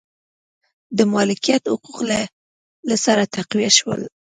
د مالکیت حقوق له سره تقویه شول.